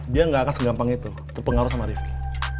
dia nggak akan segampang itu terpengaruh sama rifki